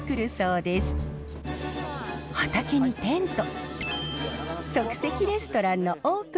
畑にテント！